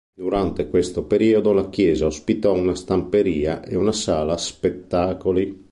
Durante questo periodo la chiesa ospitò una stamperia e una sala spettacoli.